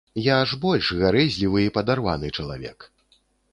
Я ж больш гарэзлівы і падарваны чалавек.